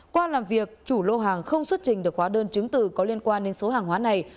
qua làm việc chủ lô hàng không xuất trình được hóa đơn chứng từ có liên quan đến số hàng hóa này